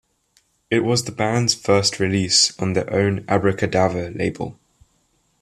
It was the band's first release on their own Abracadaver label.